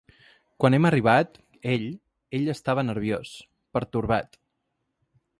Quan hem arribat, ell, ell estava nerviós, pertorbat.